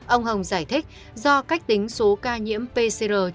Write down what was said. ông hồng giải thích do cách tính số ca nhiễm pcr